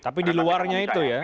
tapi di luarnya itu ya